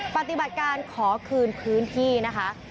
ปฏิบัติการขอคืนพื้นที่นะคะ